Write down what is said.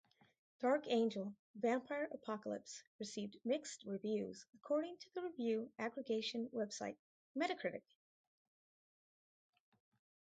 "Dark Angel: Vampire Apocalypse" received "mixed" reviews according to the review aggregation website Metacritic.